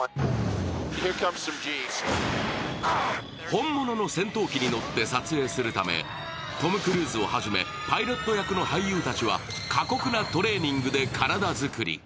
本物の戦闘機に乗って撮影するため、トム・クルーズをはじめパイロット役の俳優たちは過酷なトレーニングで体作り。